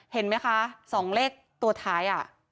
เห็นไหมคะ๒เลขตัวท้าย